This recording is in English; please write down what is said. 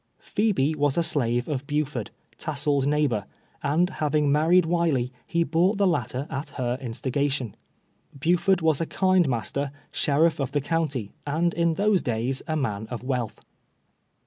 Phebe was a slave of Buford, Tassle's neighbor, and having married Wiley, he bought the latter, at her instigation. Buford was a kind master, sheriff of the county, and in those days a man of wealth.